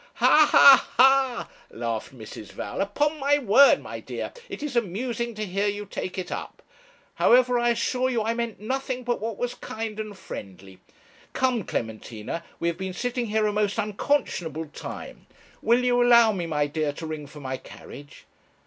'Ha, ha, ha!' laughed Mrs. Val. 'Upon my word, my dear, it is amusing to hear you take it up. However, I assure you I meant nothing but what was kind and friendly. Come, Clementina, we have been sitting here a most unconscionable time. Will you allow me, my dear, to ring for my carriage?'